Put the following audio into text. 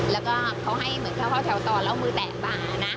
แล้วก็เขาให้เหมือนเขาเข้าแถวต่อแล้วมือแตกมานะ